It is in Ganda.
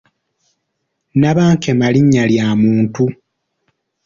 Nabankema linnya lya muntu.